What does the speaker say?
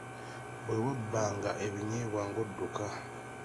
Bwe wabbanga ebinyeebwa ng’odduka.